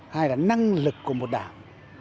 hai là năng lực của một đảng